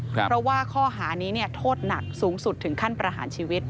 เพราะว่าข้อหานี้โทษหนักสูงสุดถึงขั้นประหารชีวิต